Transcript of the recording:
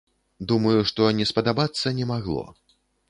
Думаю, што не спадабацца не магло.